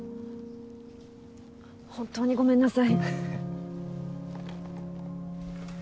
本当にごめんなさい！